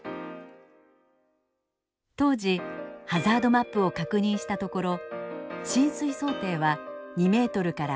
当時ハザードマップを確認したところ浸水想定は２ｍから３ｍ。